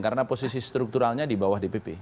karena posisi strukturalnya di bawah dpp